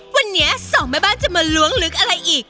วันนี้สองแม่บ้านจะมาล้วงลึกอะไรอีก